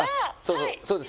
そうです